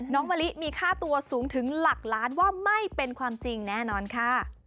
มะลิมีค่าตัวสูงถึงหลักล้านว่าไม่เป็นความจริงแน่นอนค่ะ